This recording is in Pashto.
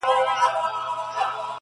مثبت فکر خوشالي خپروي.